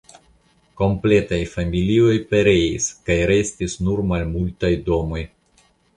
Kompletaj familioj pereis kaj restis nur malmultaj domoj.